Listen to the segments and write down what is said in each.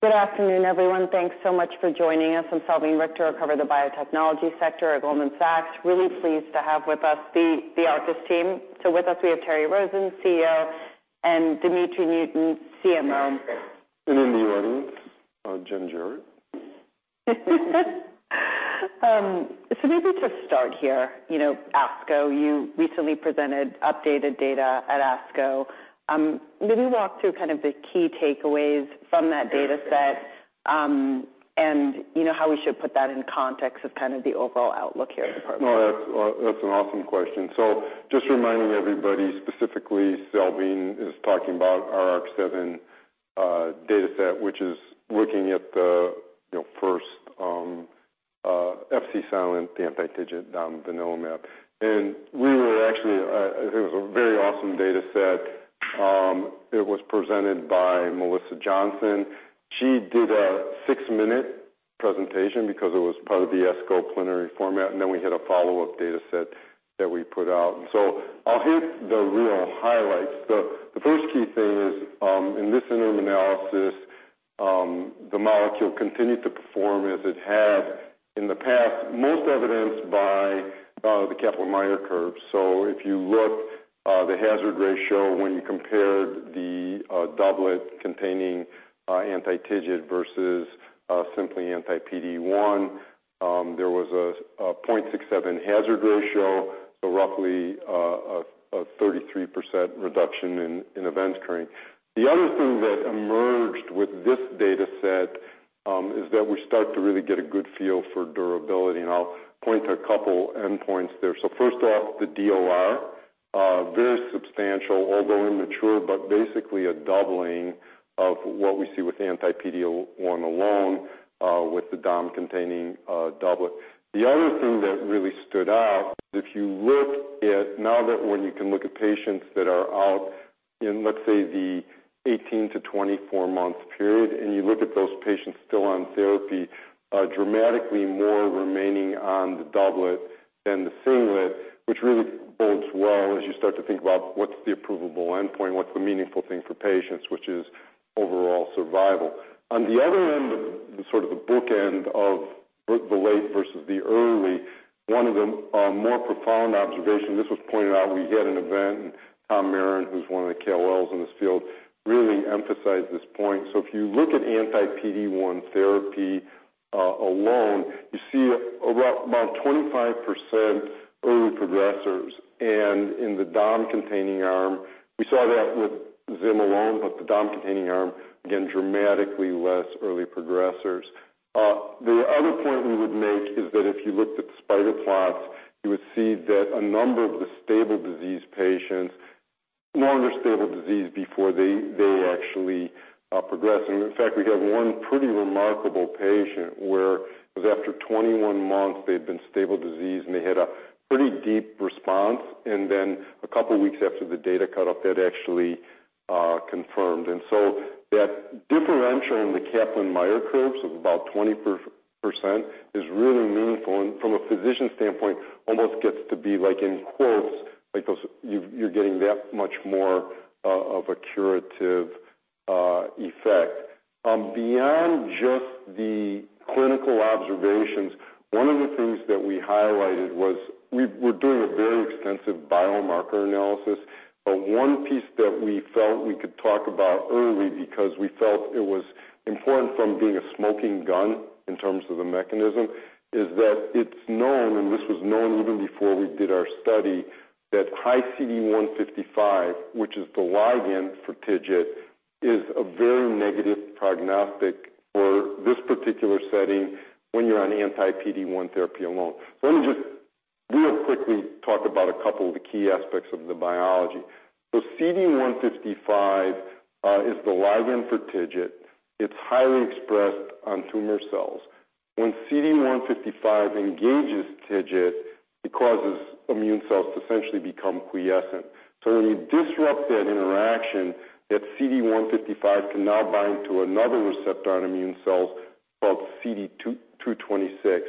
Good afternoon, everyone. Thanks so much for joining us. I'm Salveen Richter, I cover the biotechnology sector at Goldman Sachs. Really pleased to have with us the Arcus team. With us, we have Terry Rosen, CEO, and Dimitry Nuyten, CMO. In the audience, Jim Jarrett. Maybe to start here, you know, ASCO, you recently presented updated data at ASCO. Maybe walk through kind of the key takeaways from that data set, and you know, how we should put that in context of kind of the overall outlook here at the department. That's an awesome question. Just reminding everybody, specifically, Salveen is talking about our ARC-7 data set, which is looking at the, you know, first Fc-silent, the anti-TIGIT, venetoclax. We were actually. It was a very awesome data set. It was presented by Melissa Johnson. She did a 6-minute presentation because it was part of the ASCO plenary format, and then we had a follow-up data set that we put out. I'll hit the real highlights. The first key thing is, in this interim analysis, the molecule continued to perform as it had in the past, most evidenced by the Kaplan-Meier curve. If you look, the hazard ratio when you compared the doublet containing Anti-TIGIT versus simply Anti-PD-1, there was a 0.67 hazard ratio, so roughly a 33% reduction in events occurring. The other thing that emerged with this data set, is that we start to really get a good feel for durability, and I'll point to a couple endpoints there. First off, the DOR, very substantial, although immature, but basically a doubling of what we see with the Anti-PD-1 alone, with the DOM-containing doublet. The other thing that really stood out, if you look at now that when you can look at patients that are out in, let's say, the 18 month to 24 month period, and you look at those patients still on therapy, dramatically more remaining on the doublet than the singlet, which really bodes well as you start to think about what's the approvable endpoint, what's the meaningful thing for patients, which is overall survival. On the other end of the sort of the bookend of the late versus the early, one of the more profound observations, this was pointed out, we had an event, and Tom Marron, who's one of the KOLs in this field, really emphasized this point. If you look at Anti-PD-1 therapy alone, you see about 25% early progressors. In the domvanalimab-containing arm, we saw that with zimberelimab alone, the domvanalimab-containing arm, again, dramatically less early progressors. The other point we would make is that if you looked at the spider plots, you would see that a number of the stable disease patients, no longer stable disease before they actually progress. In fact, we have 1 pretty remarkable patient where it was after 21 months, they'd been stable disease, and they had a pretty deep response, and then a couple of weeks after the data cut off, they'd actually confirmed. That differential in the Kaplan-Meier curves of about 20% is really meaningful, and from a physician standpoint, almost gets to be like in quotes, like, those you're getting that much more of a curative effect. Beyond just the clinical observations, one of the things that we highlighted was we're doing a very extensive biomarker analysis. One piece that we felt we could talk about early, because we felt it was important from being a smoking gun in terms of the mechanism, is that it's known, and this was known even before we did our study, that high CD155, which is the ligand for TIGIT, is a very negative prognostic for this particular setting when you're on anti-PD-1 therapy alone. Let me just real quickly talk about a couple of the key aspects of the biology. CD155 is the ligand for TIGIT. It's highly expressed on tumor cells. When CD155 engages TIGIT, it causes immune cells to essentially become quiescent. When you disrupt that interaction, that CD155 can now bind to another receptor on immune cells called CD226.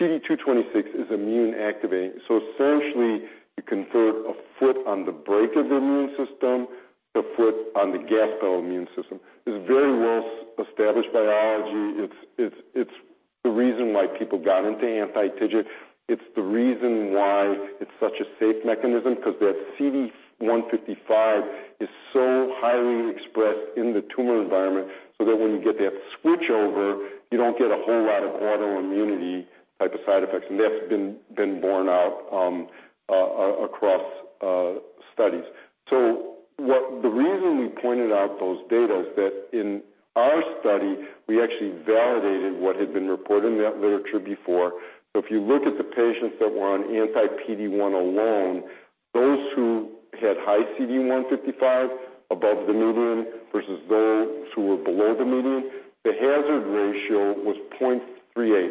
CD226 is immune activating, essentially, you convert a foot on the brake of the immune system, the foot on the gas pedal immune system. It's a very well-established biology. It's the reason why people got into Anti-TIGIT. It's the reason why it's such a safe mechanism, because that CD155 is so highly expressed in the tumor environment, so that when you get that switch over, you don't get a whole lot of autoimmunity type of side effects, and that's been borne out across studies. The reason we pointed out those data is that in our study, we actually validated what had been reported in that literature before. If you look at the patients that were on Anti-PD-1 alone, those who had high CD155 above the median versus those who were below the median, the hazard ratio was 0.38.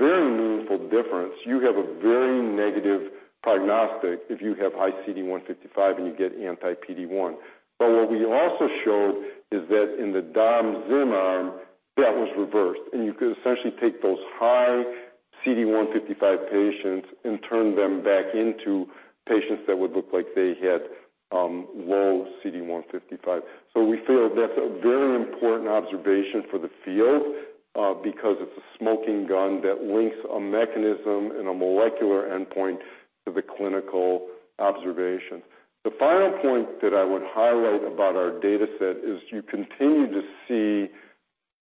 Very meaningful difference. You have a very negative prognostic if you have high CD155 and you get Anti-PD-1. What we also showed is that in the domvanalimab zimberelimab arm, that was reversed, and you could essentially take those high CD155 patients and turn them back into patients that would look like they had low CD155. We feel that's a very important observation for the field, because it's a smoking gun that links a mechanism and a molecular endpoint to the clinical observation. The final point that I would highlight about our data set is you continue to see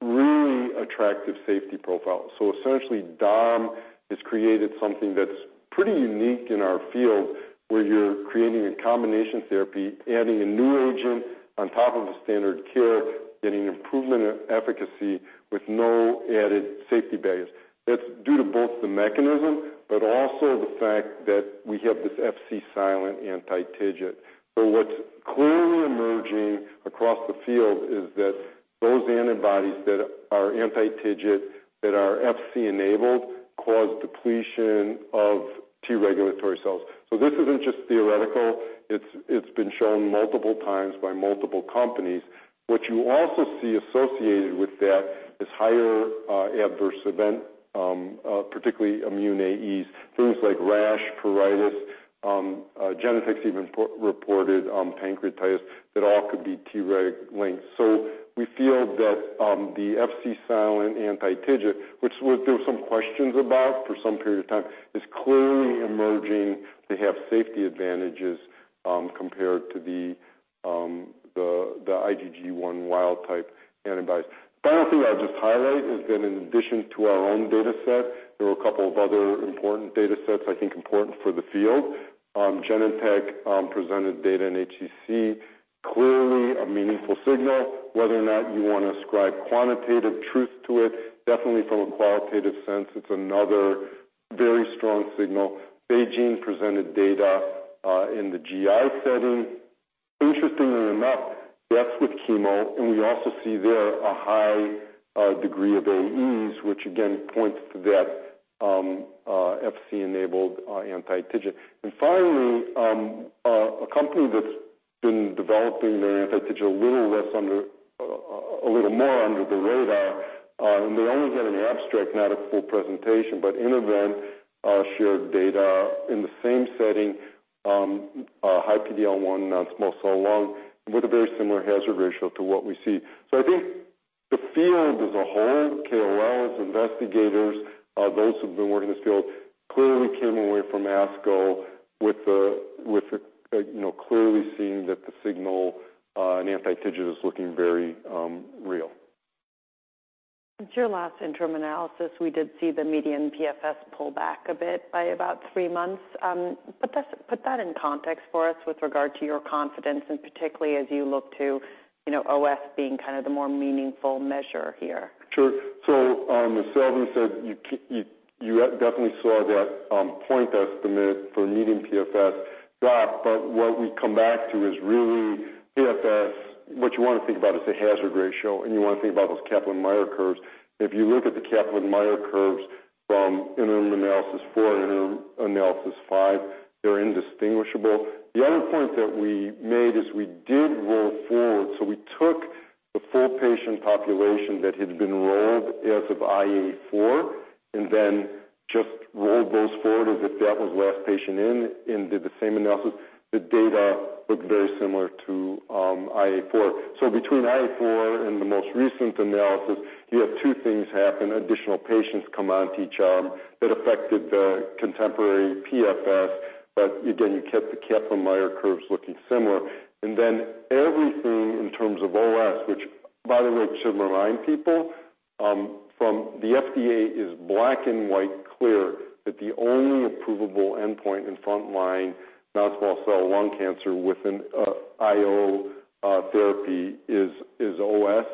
really attractive safety profiles. Essentially, domvanalimab has created something that's pretty unique in our field, where you're creating a combination therapy, adding a new agent on top of the standard care, getting improvement in efficacy with no added safety barriers. That's due to both the mechanism, but also the fact that we have this Fc-silent Anti-TIGIT. What's clearly emerging across the field is that those antibodies that are anti-TIGIT, that are Fc-enabled, cause depletion of T regulatory cells. This isn't just theoretical, it's been shown multiple times by multiple companies. What you also see associated with that is higher adverse event, particularly immune AEs. Things like rash, pruritus, Genentech even reported pancreatitis, that all could be Treg linked. We feel that the Fc-silent anti-TIGIT, which was there were some questions about for some period of time, is clearly emerging to have safety advantages compared to the IgG1 wild type antibodies. Final thing I'll just highlight is that in addition to our own data set, there were a couple of other important data sets, I think, important for the field. Genentech presented data in HCC, clearly a meaningful signal. Whether or not you want to ascribe quantitative truth to it, definitely from a qualitative sense, it's another very strong signal. BeiGene presented data in the GI setting. Interestingly enough, that's with chemo, and we also see there a high degree of AEs, which again, points to that Fc-enabled anti-TIGIT. Finally, a company that's been developing their anti-TIGIT a little less under, a little more under the radar, and they only had an abstract, not a full presentation, but Innovent shared data in the same setting, high PD-L1 non-small cell lung, with a very similar hazard ratio to what we see. I think the field as a whole, KOLs, investigators, those who've been working in this field, clearly came away from ASCO with the, you know, clearly seeing that the signal in anti-TIGIT is looking very real. Since your last interim analysis, we did see the median PFS pull back a bit by about three months. Put that in context for us with regard to your confidence, and particularly as you look to, you know, OS being kind of the more meaningful measure here. Sure. As Salveen said, you definitely saw that point estimate for median PFS drop. What we come back to is really PFS. What you want to think about is the hazard ratio, and you want to think about those Kaplan-Meier curves. If you look at the Kaplan-Meier curves from interim analysis 4 and interim analysis 5, they're indistinguishable. The other point that we made is we did roll forward. We took the full patient population that had been enrolled as of IA4, and then just rolled those forward as if that was the last patient in, and did the same analysis. The data looked very similar to IA4. Between IA4 and the most recent analysis, you have two things happen. Additional patients come on to each arm that affected the contemporary PFS. Again, you kept the Kaplan-Meier curves looking similar. Then everything in terms of OS, which by the way, to remind people, from the FDA is black and white clear that the only approvable endpoint in front line non-small cell lung cancer with an IO therapy is OS.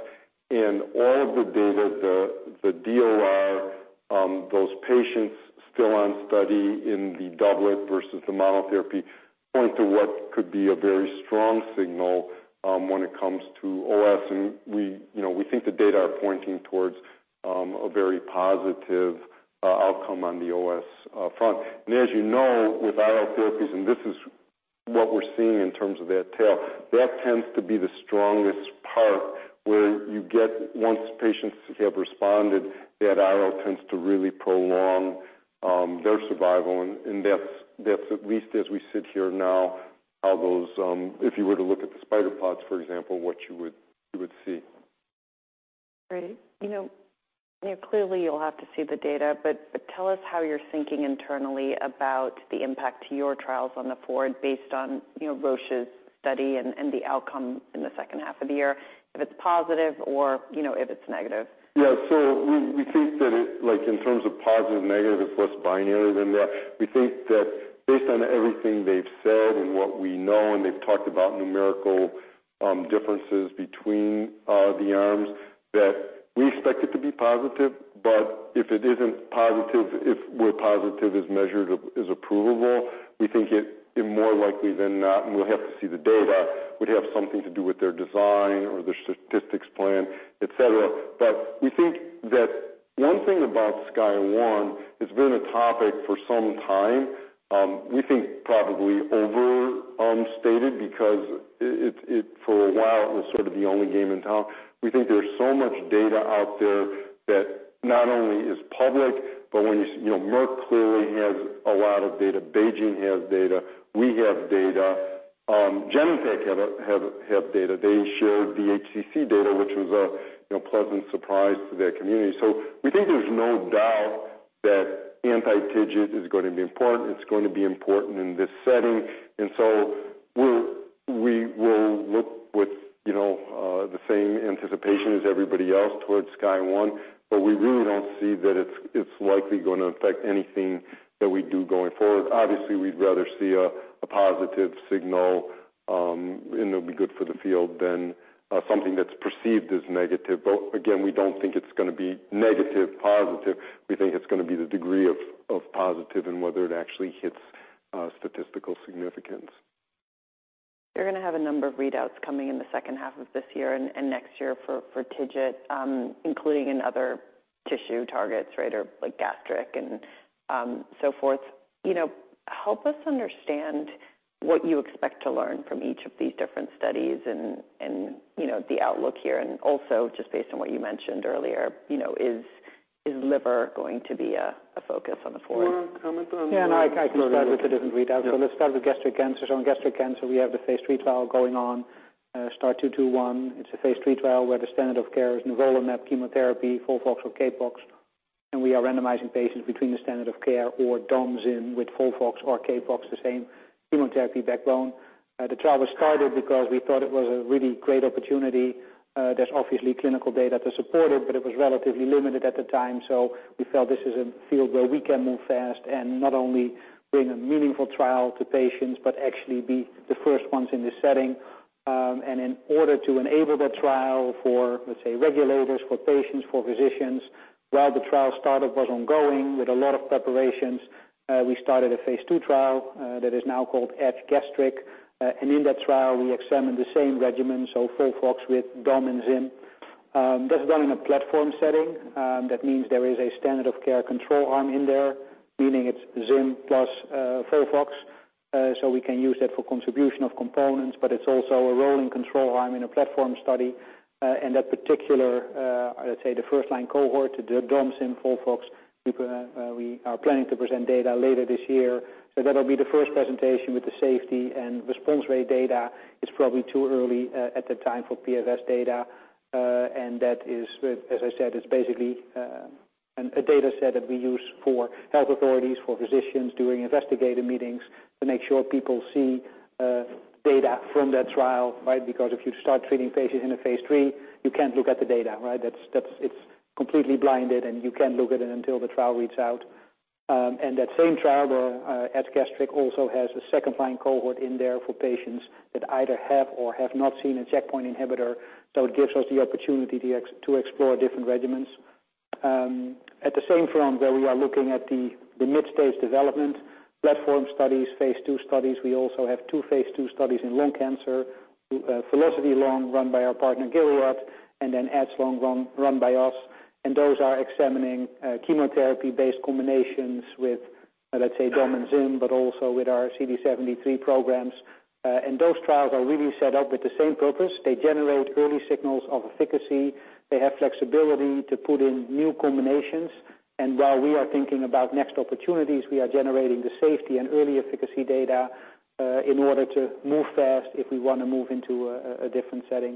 All of the data, the DOR, those patients still on study in the doublet versus the monotherapy, point to what could be a very strong signal when it comes to OS. We, you know, we think the data are pointing towards a very positive outcome on the OS front. As you know, with IO therapies, this is what we're seeing in terms of that tail, that tends to be the strongest part, where you get once patients have responded, that IO tends to really prolong their survival, and that's at least as we sit here now, how those. If you were to look at the spider plots, for example, what you would see. Great. You know, clearly, you'll have to see the data, but tell us how you're thinking internally about the impact to your trials on the forward based on, you know, Roche's study and the outcome in the second half of the year, if it's positive or, you know, if it's negative? Yeah. We think that it, like, in terms of positive, negative, it's less binary than that. We think that based on everything they've said and what we know, and they've talked about numerical differences between the arms, that we expect it to be positive. If it isn't positive, if we're positive, as measured, is approvable, we think it is more likely than not, and we'll have to see the data, would have something to do with their design or their statistics plan, et cetera. One thing about SKYSCRAPER-01, it's been a topic for some time, we think probably overstated, because it for a while, it was sort of the only game in town. We think there's so much data out there that not only is public, but when you know, Merck clearly has a lot of data. BeiGene has data. We have data. Genentech have data. They shared the HCC data, which was a, you know, pleasant surprise to their community. We think there's no doubt that anti-TIGIT is going to be important. It's going to be important in this setting, we will look with, you know, the same anticipation as everybody else towards SKYSCRAPER-01, but we really don't see that it's likely gonna affect anything that we do going forward. Obviously, we'd rather see a positive signal, and it'll be good for the field than something that's perceived as negative. Again, we don't think it's gonna be negative, positive. We think it's gonna be the degree of positive and whether it actually hits statistical significance. You're gonna have a number of readouts coming in the second half of this year and next year for TIGIT, including in other tissue targets, right, or like gastric and so forth. You know, help us understand what you expect to learn from each of these different studies and, you know, the outlook here, and also just based on what you mentioned earlier, you know, is liver going to be a focus on the forward? You want to comment on- Yeah, I can start with the different readouts. Yeah. Let's start with gastric cancer. In gastric cancer, we have the phase III trial going on, STAR-221. It's a phase III trial where the standard of care is nivolumab chemotherapy, FOLFOX or CAPOX, we are randomizing patients between the standard of care or domvanalimab zimberelimab with FOLFOX or CAPOX, the same chemotherapy backbone. The trial was started because we thought it was a really great opportunity. There's obviously clinical data to support it was relatively limited at the time, we felt this is a field where we can move fast and not only bring a meaningful trial to patients, but actually be the first ones in the setting. In order to enable that trial for, let's say, regulators, for patients, for physicians, while the trial startup was ongoing with a lot of preparations, we started a phase II trial, that is now called EDGE-Gastric. In that trial, we examined the same regimen, so FOLFOX with domvanalimab and zimberelimab. That's done in a platform setting, that means there is a standard of care control arm in there, meaning it's zimberelimab plus FOLFOX, so we can use that for contribution of components, but it's also a rolling control arm in a platform study. In that particular, let's say, the first-line cohort, the domvanalimab zimberelimab FOLFOX, we are planning to present data later this year. That'll be the first presentation with the safety and response rate data. It's probably too early at the time for PFS data. That is, as I said, it's basically a data set that we use for health authorities, for physicians, doing investigator meetings, to make sure people see data from that trial, right? If you start treating patients in a phase III, you can't look at the data, right? That's it's completely blinded, and you can't look at it until the trial reads out. That same trial, EDGE-Gastric, also has a second blind cohort in there for patients that either have or have not seen a checkpoint inhibitor, so it gives us the opportunity to explore different regimens. At the same front, where we are looking at the mid-stage development platform studies, phase II studies, we also have two phase II studies in lung cancer. VELOCITY-Lung, run by our partner, Gilead. Then EDGE-Lung, run by us. Those are examining chemotherapy-based combinations with, let's say, domvanalimab and zimberelimab, but also with our CD73 programs. Those trials are really set up with the same purpose. They generate early signals of efficacy. They have flexibility to put in new combinations. While we are thinking about next opportunities, we are generating the safety and early efficacy data in order to move fast if we want to move into a different setting.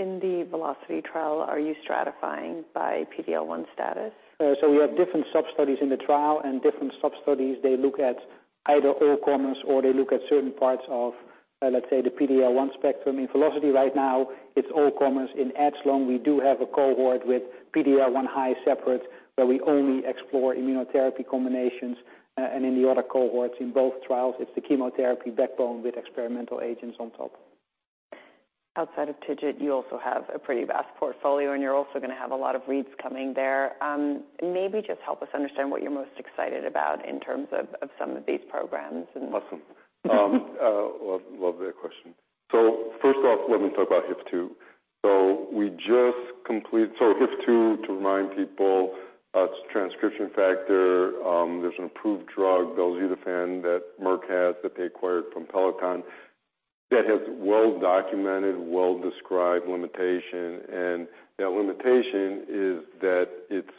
In the VELOCITY trial, are you stratifying by PDL-1 status? We have different sub-studies in the trial, and different sub-studies, they look at either all comers, or they look at certain parts of, let's say, the PD-L1 spectrum. In VELOCITY right now, it's all comers. In EDGE-Lung, we do have a cohort with PD-L1 high separate, where we only explore immunotherapy combinations, and in the other cohorts in both trials, it's the chemotherapy backbone with experimental agents on top. Outside of TIGIT, you also have a pretty vast portfolio, and you're also gonna have a lot of reads coming there. Maybe just help us understand what you're most excited about in terms of some of these programs? Awesome. Love that question. First off, let me talk about HIF-2. HIF-2, to remind people, it's a transcription factor. There's an approved drug, Belzutifan, that Merck has, that they acquired from Peloton, that has well-documented, well-described limitation, and that limitation is that it's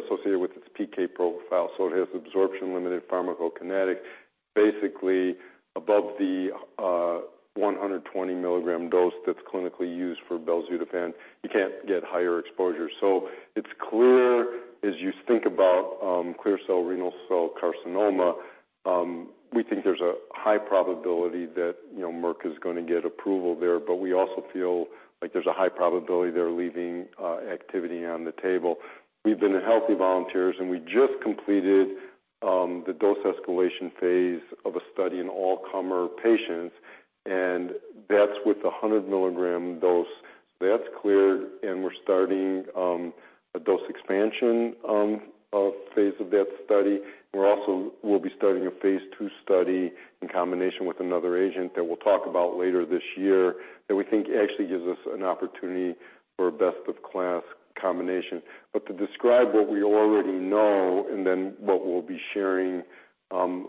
associated with its PK profile, so it has absorption-limited pharmacokinetic, basically above the 120 mg dose that's clinically used for Belzutifan. You can't get higher exposure. It's clear, as you think about clear cell renal cell carcinoma, we think there's a high probability that, you know, Merck is gonna get approval there, but we also feel like there's a high probability they're leaving activity on the table. We've been in healthy volunteers. We just completed the dose escalation phase of a study in all-comer patients, and that's with the 100 mg dose. That's cleared. We're starting a dose expansion of phase of that study. We're also will be starting a phase II study in combination with another agent that we'll talk about later this year, that we think actually gives us an opportunity for a best-of-class combination. To describe what we already know and then what we'll be sharing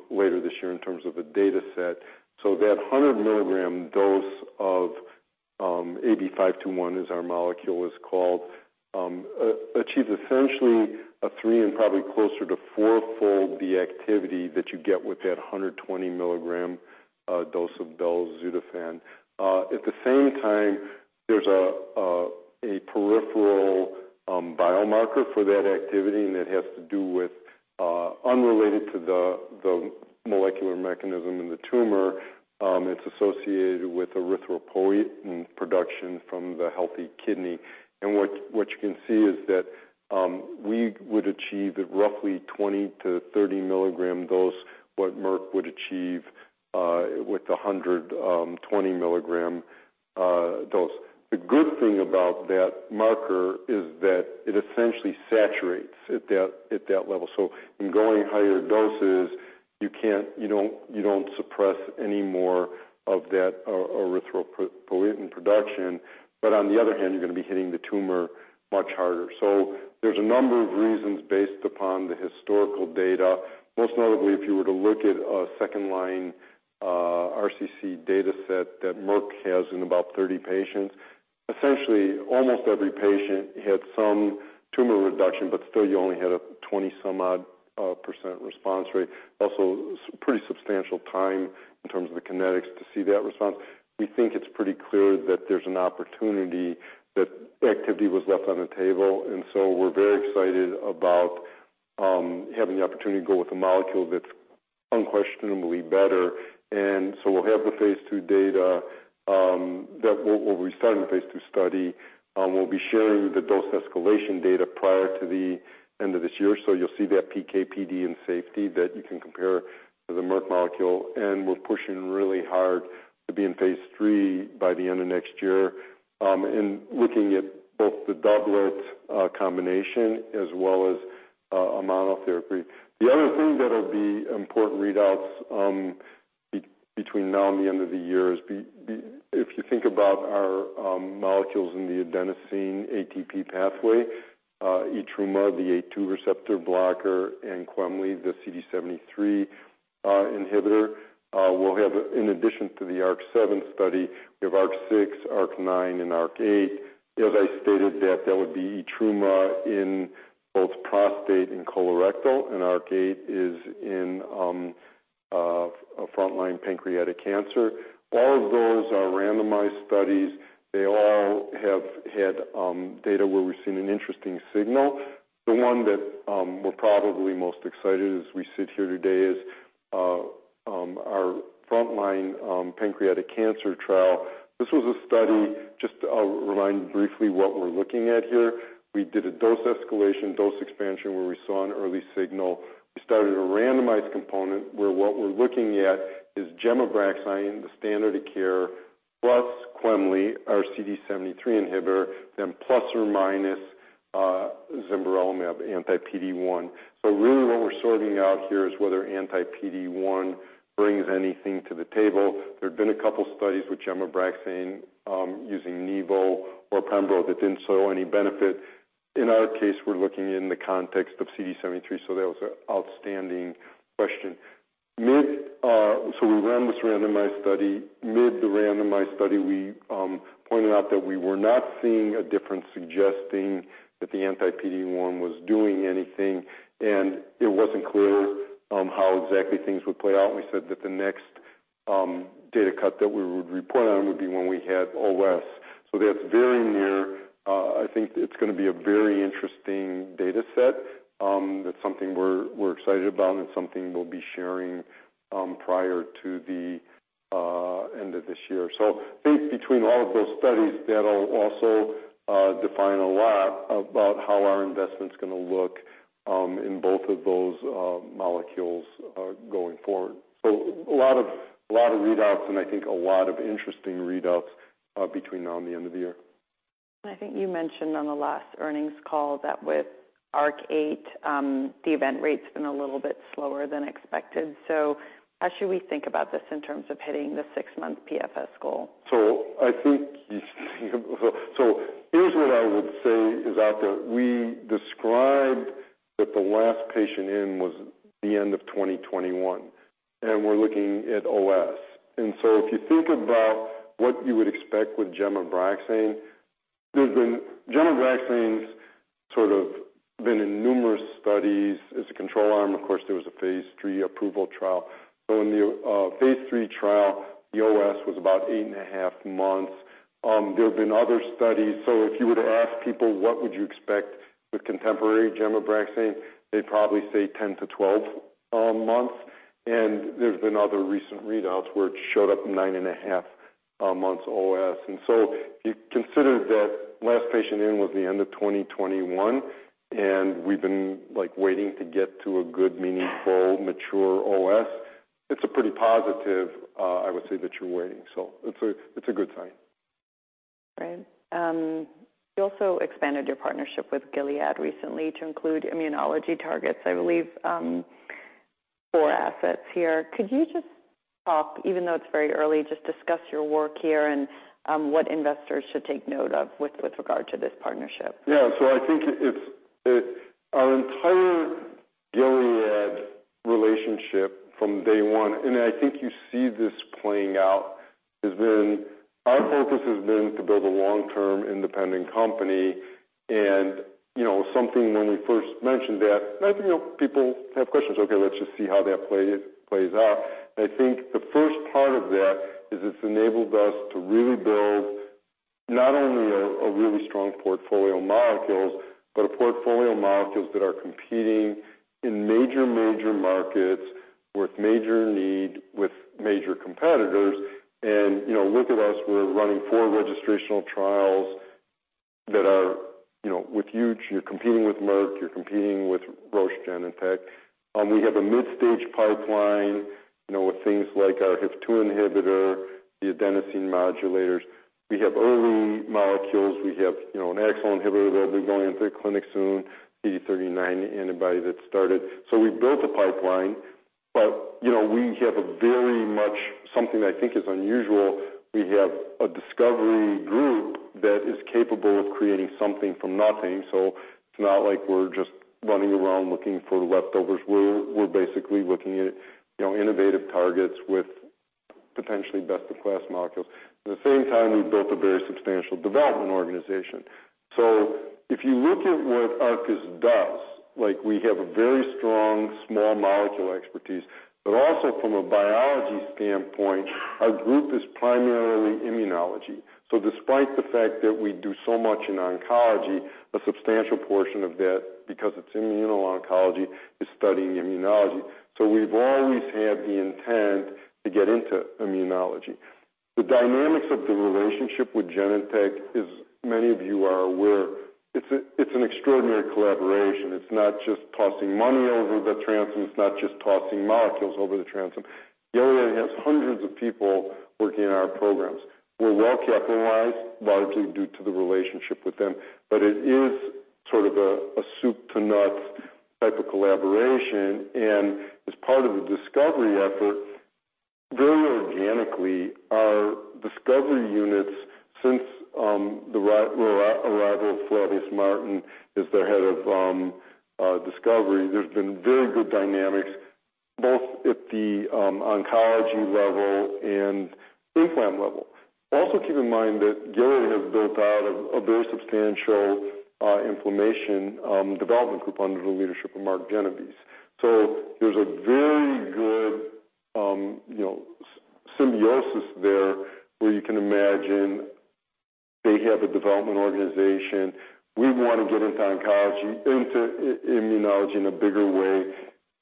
later this year in terms of a data set. That 100 mg dose of AB521 is our molecule is called, achieves essentially a 3 and probably closer to 4-fold the activity that you get with that 120 mg dose of Belzutifan. At the same time, there's a peripheral biomarker for that activity, it has to do with unrelated to the molecular mechanism in the tumor, it's associated with erythropoietin production from the healthy kidney. What you can see is that we would achieve at roughly 20 mg-30 mg dose, what Merck would achieve with the 120 mg dose. The good thing about that marker is that it essentially saturates at that, at that level. In going higher doses, you don't suppress any more of that erythropoietin production, but on the other hand, you're going to be hitting the tumor much harder. There's a number of reasons based upon the historical data. Most notably, if you were to look at a second-line, RCC data set that Merck has in about 30 patients, essentially, almost every patient had some tumor reduction, but still you only had a 20 some odd percent response rate. Also, pretty substantial time in terms of the kinetics to see that response. We think it's pretty clear that there's an opportunity that activity was left on the table. We're very excited about having the opportunity to go with a molecule that's unquestionably better. We'll have the phase III data that we'll be starting the phase III study, we'll be sharing the dose escalation data prior to the end of this year. You'll see that PK, PD and safety that you can compare to the Merck molecule, and we're pushing really hard to be in phase III by the end of next year, in looking at both the doublet combination as well as a monotherapy. The other thing that will be important readouts between now and the end of the year is if you think about our molecules in the adenosine ATP pathway, etruma, the A2 receptor blocker, and Quemly, the CD73 Inhibitor, we'll have in addition to the ARC-7 study, we have ARC-6, ARC-9, and ARC-8. As I stated, that would be Etrima in both prostate and colorectal, and ARC-8 is in a frontline pancreatic cancer. All of those are randomized studies. They all have had data where we've seen an interesting signal. The one that we're probably most excited as we sit here today is our frontline pancreatic cancer trial. This was a study, just to remind briefly what we're looking at here. We did a dose escalation, dose expansion, where we saw an early signal. We started a randomized component, where what we're looking at is gemcitabine, the standard of care, plus Quemly, our CD73 Inhibitor, then plus or minus Zimberelimab anti-PD-1. Really what we're sorting out here is whether anti-PD-1 brings anything to the table. There have been a couple of studies with gemcitabine, using Nivo or Pembro that didn't show any benefit. In our case, we're looking in the context of CD73, that was an outstanding question. We ran this randomized study. Mid the randomized study, we pointed out that we were not seeing a difference suggesting that the anti-PD-1 was doing anything, and it wasn't clear how exactly things would play out. We said that the next data cut that we would report on would be when we had OS. That's very near. I think it's going to be a very interesting data set. That's something we're excited about and something we'll be sharing prior to the end of this year. I think between all of those studies, that'll also define a lot about how our investment's going to look in both of those molecules going forward. A lot of readouts, and I think a lot of interesting readouts between now and the end of the year. I think you mentioned on the last earnings call that with ARC-8, the event rate's been a little bit slower than expected. How should we think about this in terms of hitting the 6-month PFS goal? Here's what I would say is out there. We described that the last patient in was the end of 2021, and we're looking at OS. If you think about what you would expect with gemcitabine's sort of been in numerous studies. As a control arm, of course, there was a phase III approval trial. In the phase III trial, the OS was about 8.5 months. There have been other studies. If you were to ask people, what would you expect with contemporary gemcitabine, they'd probably say 10-12 months. There's been other recent readouts where it showed up 9.5 months OS. If you consider that last patient in was the end of 2021, and we've been, like, waiting to get to a good, meaningful, mature OS, it's a pretty positive, I would say, that you're waiting. It's a good sign.... Right. You also expanded your partnership with Gilead recently to include immunology targets, I believe, four assets here. Could you just talk, even though it's very early, just discuss your work here and, what investors should take note of with regard to this partnership? I think it's our entire Gilead relationship from day one, and I think you see this playing out, has been our focus has been to build a long-term, independent company. You know, something when we first mentioned that, I think, you know, people have questions. Okay, let's just see how that plays out. I think the first part of that is it's enabled us to really build not only a really strong portfolio of molecules, but a portfolio of molecules that are competing in major markets with major need, with major competitors. You know, look at us, we're running four registrational trials that are, you know, with huge. You're competing with Merck, you're competing with Roche, Genentech. We have a mid-stage pipeline, you know, with things like our HIF-2 Inhibitor, the adenosine modulators. We have early molecules. We have, you know, an excellent inhibitor that'll be going into the clinic soon, CD39 antibody that started. We built a pipeline, you know, we have a very much something I think is unusual. We have a discovery group that is capable of creating something from nothing, it's not like we're just running around looking for the leftovers. We're basically looking at, you know, innovative targets with potentially best-in-class molecules. At the same time, we've built a very substantial development organization. If you look at what Arcus does, like, we have a very strong small molecule expertise, also from a biology standpoint, our group is primarily immunology. Despite the fact that we do so much in oncology, a substantial portion of that, because it's immuno-oncology, is studying immunology. We've always had the intent to get into immunology. The dynamics of the relationship with Genentech, as many of you are aware, it's an extraordinary collaboration. It's not just tossing money over the transom. It's not just tossing molecules over the transom. Gilead has hundreds of people working on our programs. We're well capitalized, largely due to the relationship with them. It is sort of a soup to nuts type of collaboration. As part of the discovery effort, very organically, our discovery units since the arrival of Flavius Martin as their head of discovery, there's been very good dynamics, both at the oncology level and inflam level. Also, keep in mind that Gilead has built out a very substantial inflammation development group under the leadership of Mark Genovese. There's a very good, you know, symbiosis there, where you can imagine they have a development organization. We want to get into oncology, into immunology in a bigger way.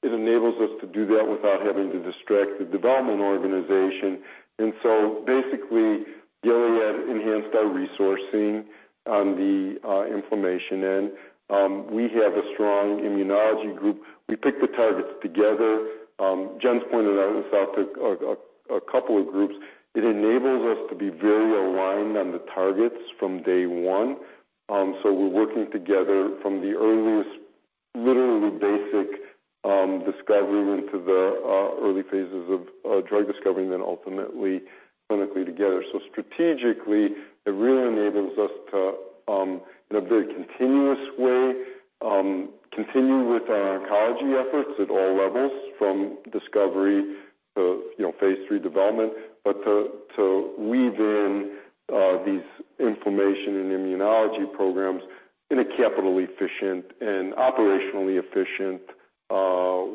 It enables us to do that without having to distract the development organization. Basically, Gilead enhanced our resourcing on the inflammation end. We have a strong immunology group. We pick the targets together. Jen's pointed out herself to a couple of groups. It enables us to be very aligned on the targets from day one. We're working together from the earliest, literally basic, discovery into the early phases of drug discovery and then ultimately clinically together. Strategically, it really enables us to, in a very continuous way, continue with our oncology efforts at all levels, from discovery to, you know, phase III development, but to weave in these inflammation and immunology programs in a capital efficient and operationally efficient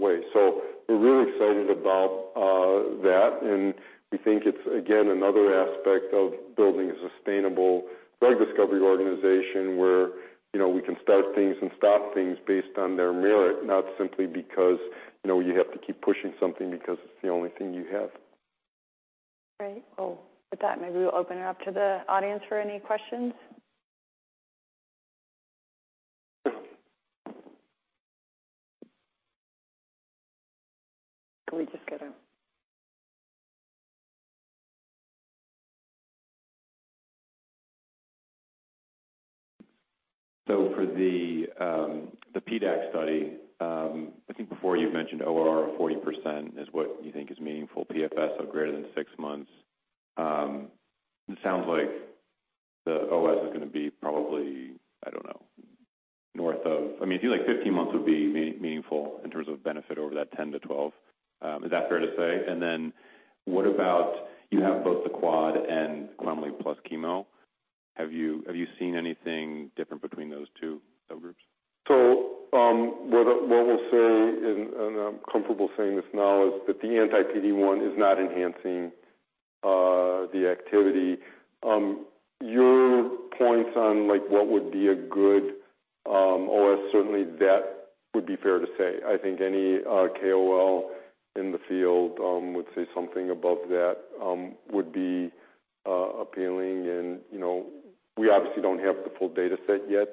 way. We're really excited about that, and we think it's, again, another aspect of building a sustainable drug discovery organization where, you know, we can start things and stop things based on their merit, not simply because, you know, you have to keep pushing something because it's the only thing you have. Great. Well, with that, maybe we'll open it up to the audience for any questions. Can we just get... For the PDAC study, I think before you've mentioned ORR of 40% is what you think is meaningful, PFS of greater than six months. It sounds like the OS is gonna be probably, I don't know, north of... I feel like 15 months would be meaningful in terms of benefit over that 10 months-12 months. Is that fair to say? What about you have both the quad and Quemly plus chemo? Have you seen anything different between those two subgroups? What I, what we'll say, and I'm comfortable saying this now, is that the anti-PD-1 is not enhancing the activity. Your points on, like, what would be a good OS, certainly that would be fair to say. I think any KOL in the field would say something above that would be appealing. You know, we obviously don't have the full data set yet,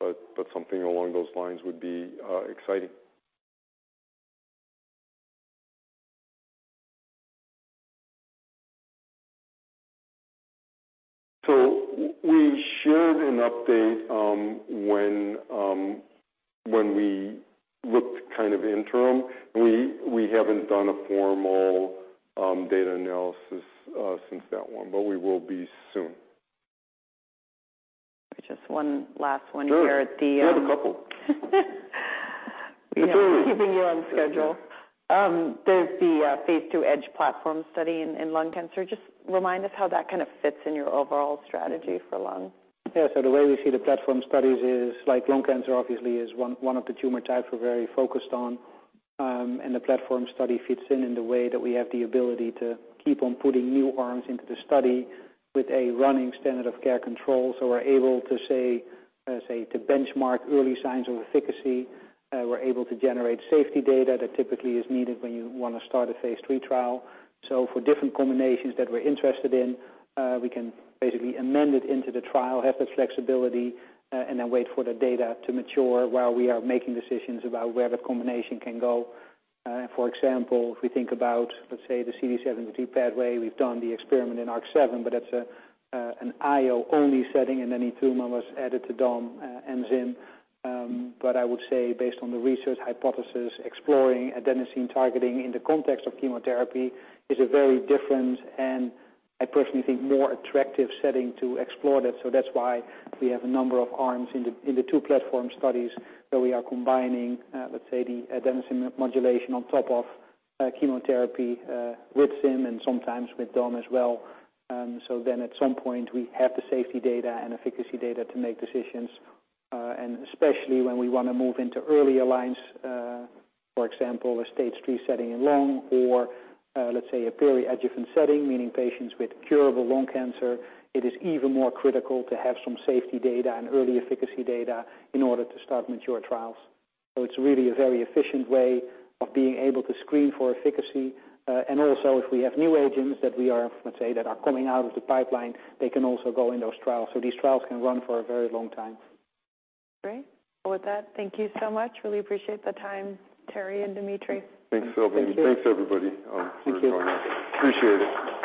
but something along those lines would be exciting. We shared an update when we looked kind of interim. We haven't done a formal data analysis since that one, but we will be soon. Just one last one here at the- Sure. You have a couple. Keeping you on schedule. There's the phase II EDGE platform study in lung cancer. Just remind us how that kind of fits in your overall strategy for lung. The way we see the platform studies is, like lung cancer, obviously, is one of the tumor types we're very focused on. The platform study fits in the way that we have the ability to keep on putting new arms into the study with a running standard of care control. We're able to say, to benchmark early signs of efficacy. We're able to generate safety data that typically is needed when you want to start a phase III trial. For different combinations that we're interested in, we can basically amend it into the trial, have the flexibility, and then wait for the data to mature while we are making decisions about where the combination can go. For example, if we think about, let's say, the CD73 pathway, we've done the experiment in ARC-7, but that's a an IO-only setting, and then etruma was added to domvanalimab and zimberelimab. I would say based on the research hypothesis, exploring adenosine targeting in the context of chemotherapy is a very different, and I personally think, more attractive setting to explore that. That's why we have a number of arms in the two platform studies, where we are combining, let's say, the adenosine modulation on top of chemotherapy with zimberelimab and sometimes with domvanalimab as well. At some point, we have the safety data and efficacy data to make decisions, and especially when we want to move into earlier lines, for example, a Stage 3 setting in lung or, let's say, a purely adjuvant setting, meaning patients with curable lung cancer, it is even more critical to have some safety data and early efficacy data in order to start mature trials. It's really a very efficient way of being able to screen for efficacy. Also, if we have new agents that we are, let's say, that are coming out of the pipeline, they can also go in those trials. These trials can run for a very long time. Great. With that, thank you so much. Really appreciate the time, Terry and Dimitry. Thanks, Salveen. Thank you. Thanks, everybody. Thank you. Appreciate it.